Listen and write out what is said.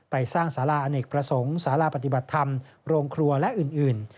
ไปสร้างสาราอเนกประสงค์สาราปฏิบัติธรรมโรงครัวและอื่น